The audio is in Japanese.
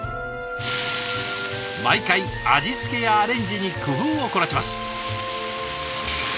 毎回味付けやアレンジに工夫を凝らします。